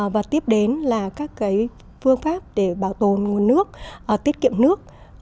và tiếp đến là các phương pháp để bảo tồn nguồn nước tiết kiệm nước